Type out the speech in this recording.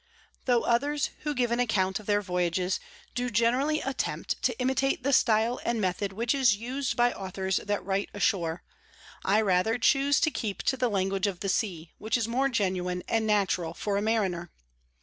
Tho others, who give an Account of their Voyages, do generally attempt to imitate the Stile and Method which is us'd by Authors that write ashore, I rather chuse to keep to the Language of the Sea, which is more genuine, and natural for a Mariner.